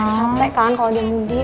capek kan kalau dia mudik